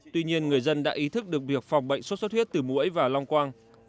tuy nhiên người dân đã ý thức được việc phòng bệnh sốt xuất huyết từ mũi và long quang